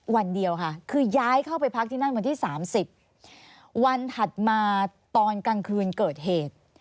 วันเดียวค่ะคือย้ายเข้าไปพักที่นั่นวันที่๓๐วันถัดมาตอนกลางคืนเกิดเหตุ